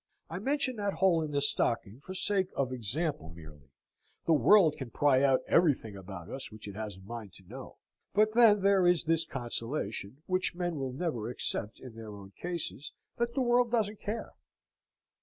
I mention that hole in the stocking for sake of example merely. The world can pry out everything about us which it has a mind to know. But then there is this consolation, which men will never accept in their own cases, that the world doesn't care.